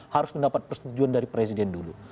harus mendapat persetujuan dari presiden dulu